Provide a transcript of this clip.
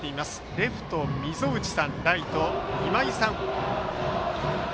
レフト溝内さんライトは今井さん。